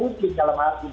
nice easy segala macam itu